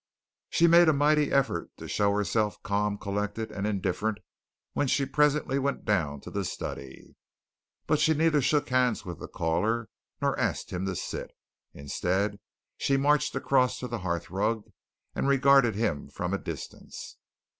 She made a mighty effort to show herself calm, collected, and indifferent, when she presently went down to the study. But she neither shook hands with the caller, nor asked him to sit; instead she marched across to the hearthrug and regarded him from a distance.